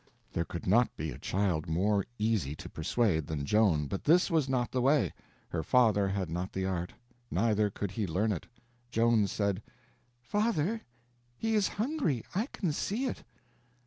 There could not be a child more easy to persuade than Joan, but this was not the way. Her father had not the art; neither could he learn it. Joan said: "Father, he is hungry; I can see it."